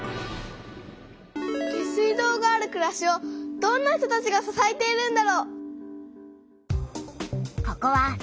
下水道があるくらしをどんな人たちが支えているんだろう？